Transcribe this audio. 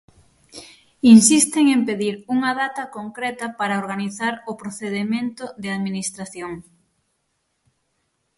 Insisten en pedir unha data concreta para organizar o procedemento de administración.